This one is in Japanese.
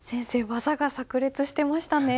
技がさく裂してましたね。